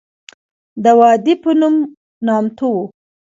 د وادي پنوم نامتو وه.